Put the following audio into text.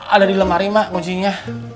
ada di lemari mak kunci nya